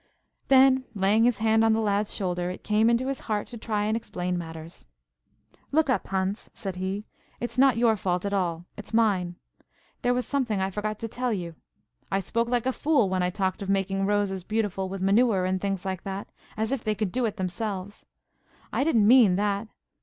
Then, laying his hand on the lad's shoulder, it came into his heart to try and explain matters. "Look up, Hans," said he. "It's not your fault at all–it's mine. There was something I forgot to tell you. I spoke like a fool when I talked of making roses beautiful with manure and things like that, as if they could do it themselves. I didn't mean that.